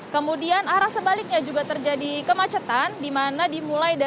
kemudian arah sebaliknya juga terjadi kemacetan di mana dimulai dari